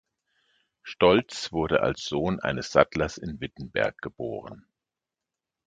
Stolz wurde als Sohn eines Sattlers in Wittenberg geboren.